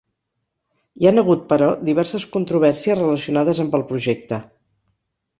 Hi han hagut, però, diverses controvèrsies relacionades amb el projecte.